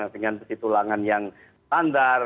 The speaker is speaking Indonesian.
dengan besi tulangan yang standar